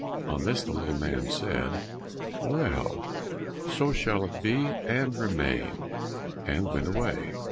On this the little man said, "Well, so shall it be, and remain," and went away.